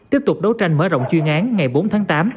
tiếp tục đấu tranh mở rộng chuyên án ngày bốn tháng tám